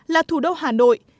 là thủ đô hà nội